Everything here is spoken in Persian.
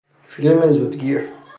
فیلم زودگیر